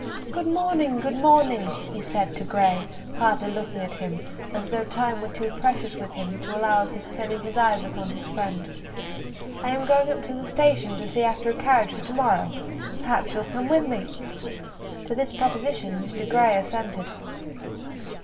"Good morning! good morning!" he said to Grey, hardly looking at him, as though time were too precious with him to allow of his turning his eyes upon his friend. "I am going up to the station to see after a carriage for to morrow. Perhaps you'll come with me." To this proposition Mr. Grey assented.